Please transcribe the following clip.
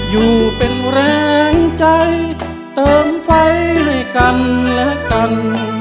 อยู่เป็นแรงใจเติมไฟให้กันและกัน